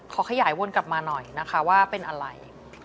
ขยายวนกลับมาหน่อยนะคะว่าเป็นอะไร